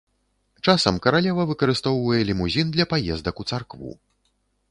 Часам каралева выкарыстоўвае лімузін для паездак у царкву.